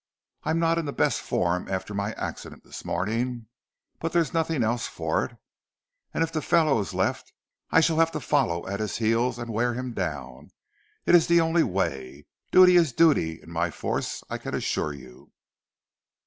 I'm not in the best form after my accident this morning, but there's nothing else for it, and if the fellow has left, I shall have to follow at his heels, and wear him down. It is the only way. Duty is duty in my force, I can assure you."